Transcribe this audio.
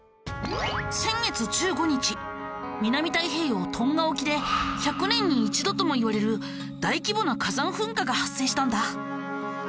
先月１５日南太平洋トンガ沖で１００年に一度ともいわれる大規模な火山噴火が発生したんだ。